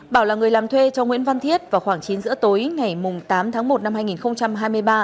bảo là người làm thuê cho nguyễn văn thiết vào khoảng chín giữa tối ngày tám tháng một năm hai nghìn hai mươi ba